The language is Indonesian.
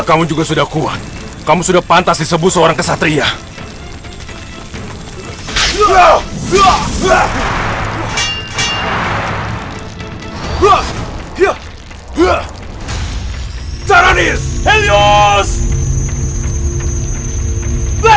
sampai jumpa di video selanjutnya